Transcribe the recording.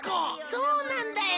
そうなんだよ！